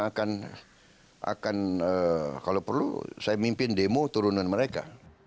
akan kalau perlu saya mimpin demo turunan mereka